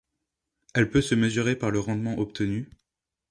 Elle peut se mesurer par le rendement obtenu.